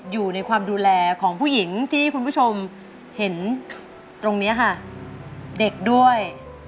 อยู่ในความดูแลของผู้หญิงที่คุณผู้ชมเห็นตรงนี้ค่ะเด็กด้วย